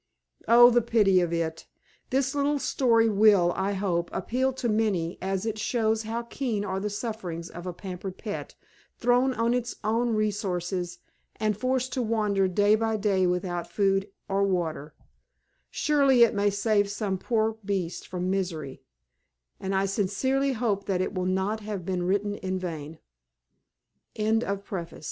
Oh, the pity of it! This little story will, I hope, appeal to many, as it shows how keen are the sufferings of a pampered pet, thrown on its own resources and forced to wander day by day without food or water. Surely it may save some poor beast from misery, and I sincerely hope that it will not have been written in vain. CHAPTER I The first thing I remember is that all was dark, but that I could feel a mother's